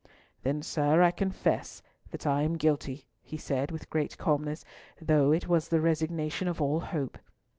"Then, sir, I confess I am guilty," he said, with great calmness, though it was the resignation of all hope.